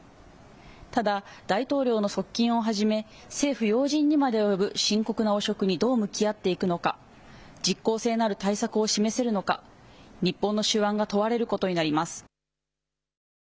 ただ大統領の側近をはじめ政府要人にまで及ぶ深刻な汚職にどう向き合っていくのか実効性のある対策を示せるのか日本の手腕が問われることになります。